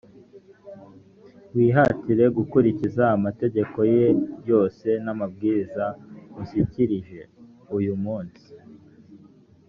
wihatire gukurikiza amategeko ye yose n’amabwiriza ngushyikirije uyu munsi,